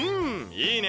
いいね！